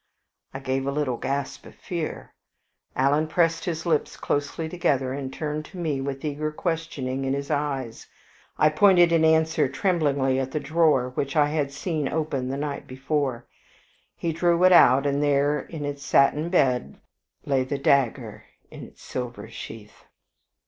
I gave a little gasp of fear. Alan pressed his lips closely together, and turned to me with eager questioning in his eyes. I pointed in answer tremblingly at the drawer which I had seen open the night before. He drew it out, and there on its satin bed lay the dagger in its silver sheath.